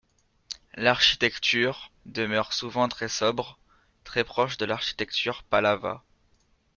L'architecture demeure souvent très sobre, très proche de l’architecture Pallava.